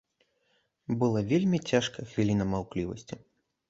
Была вельмі цяжкая хвіліна маўклівасці.